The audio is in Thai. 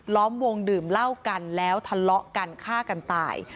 ล้อมวงดื่มเหล้ากันแล้วทะเลาะกันฆ่ากันตาย